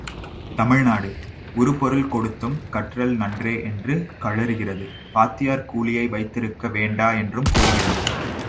தமிழ்நாடு, உறுபொருள் கொடுத்தும் கற்றல் நன்றே என்று கழறுகிறது வாத்தியார் கூலியை வைத்திருக்க வேண்டா என்றும் கூறுகிறது.